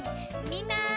みんな！